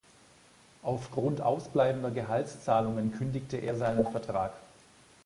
Aufgrund ausbleibender Gehaltszahlungen kündigte er seinen Vertrag.